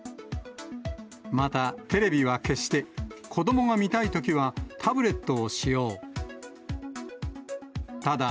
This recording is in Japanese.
またテレビは消して、子どもが見たいときはタブレットを使用。